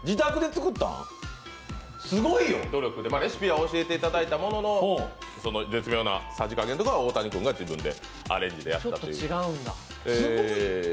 レシピは教えていただいたものの、絶妙なさじかげんは大谷君が自分でアレンジでやったという。